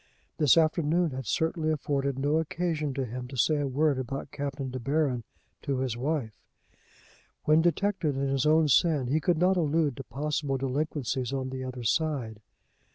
This afternoon had certainly afforded no occasion to him to say a word about Captain De Baron to his wife. When detected in his own sin he could not allude to possible delinquencies on the other side.